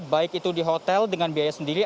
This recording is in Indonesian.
baik itu di hotel dengan biaya sendiri